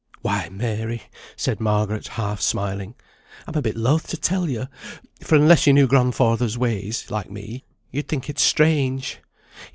"Why, Mary," said Margaret, half smiling, "I'm a bit loath to tell yo, for unless yo knew grandfather's ways like me, yo'd think it strange.